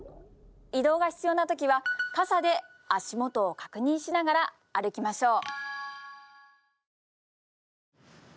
移動が必要な時は傘で足元を確認しながら歩きましょう。